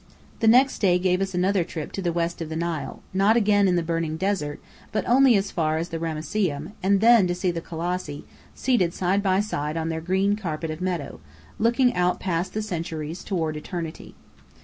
The next day gave us another trip to the west of the Nile: not again in the burning desert, but only as far as the Ramesseum, and then to see the Colossi, seated side by side on their green carpet of meadow, looking out past the centuries toward eternity.